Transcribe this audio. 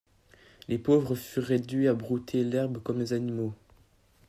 Les pauvres furent réduits à brouter l'herbe comme les animaux.